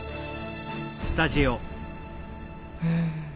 うん。